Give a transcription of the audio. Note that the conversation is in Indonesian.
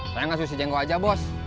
saya gak susi jenggo aja bos